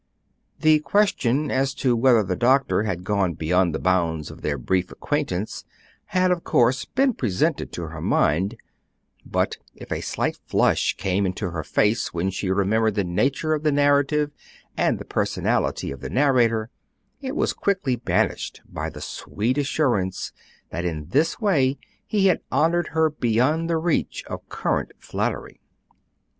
The question as to whether the doctor had gone beyond the bounds of their brief acquaintance had of course been presented to her mind; but if a slight flush came into her face when she remembered the nature of the narrative and the personality of the narrator, it was quickly banished by the sweet assurance that in this way he had honored her beyond the reach of current flattery.